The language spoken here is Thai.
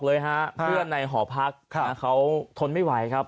เลยฮะเพื่อนในหอพักเขาทนไม่ไหวครับ